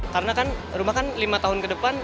karena kan rumah kan lima tahun ke depan